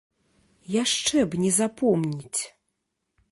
Яшчэ б не запомніць!